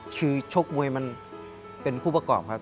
คือชกมวยมันเป็นผู้ประกอบครับ